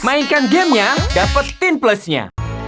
mainkan gamenya dapetin plusnya